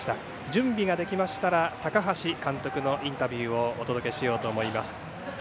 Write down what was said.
準備ができましたら高橋監督のインタビューをお届けしようと思います。